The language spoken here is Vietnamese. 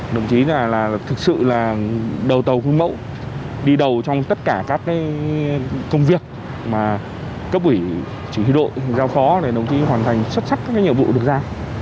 đồng chí là thực sự là đầu tàu khuyên mẫu đi đầu trong tất cả các công việc mà cấp quỷ chủ y đội giao khó để đồng chí hoàn thành xuất sắc các nhiệm vụ được ra